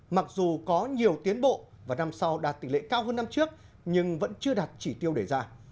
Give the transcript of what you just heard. mặc dù có nhiều tiến bộ và năm sau đạt tỷ lệ cao hơn năm trước nhưng vẫn chưa đạt chỉ tiêu đề ra